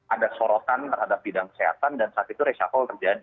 ada sorotan terhadap bidang kesehatan dan saat itu reshuffle terjadi